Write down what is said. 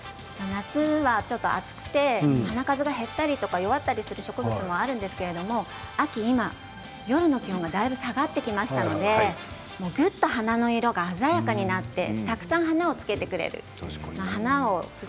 夏はちょっと暑くて花の数が減ったり弱ったりする植物も多いんですが夜の気温がだいぶ下がってきましたのでぐっと花の色が鮮やかになってたくさん花をつけてくれるんです。